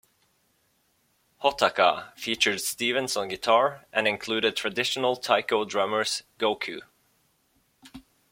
"Hotaka" featured Stevens on guitar, and included traditional Taiko drummers Gocoo.